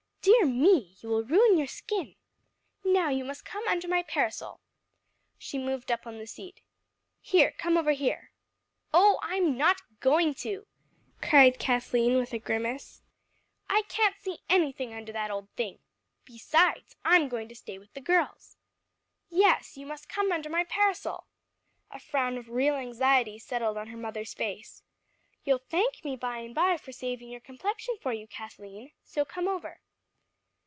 Dear me! you will ruin your skin. Now you must come under my parasol." She moved up on the seat. "Here, come over here." "Oh, I'm not going to," cried Kathleen with a grimace. "I can't see anything under that old thing. Besides, I'm going to stay with the girls." "Yes, you must come under my parasol." A frown of real anxiety settled on her mother's face. "You'll thank me by and by for saving your complexion for you, Kathleen; so come over."